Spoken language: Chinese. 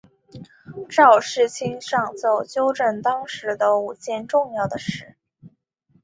赵世卿上奏纠正当时的五件重要的事。